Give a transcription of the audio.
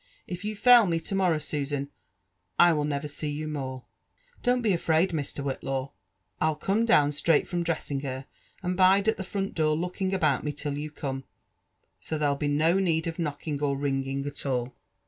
If you fail me to morrow, Susan, I will never see you more." ' 'Don't be afraid » Mr. Whitlaw. Ill come down straight from dressing her, and bide at the front door looking about me till you come ; so there'll be no need of khocking or ringing at all."